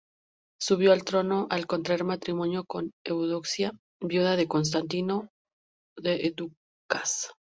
Subió al trono al contraer matrimonio con Eudoxia, viuda de Constantino X Ducas.